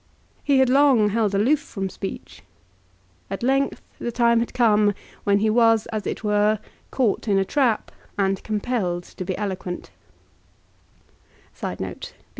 He had long held aloof from speech. At length the time had come when he was, as it were, caught in a trap, and compelled to be eloquent.